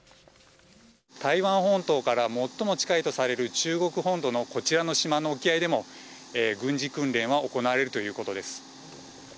台湾本島から最も近いとされる中国本土のこちらの島の沖合でも軍事訓練は行われるということです。